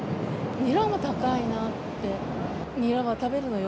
ニラも高いなって。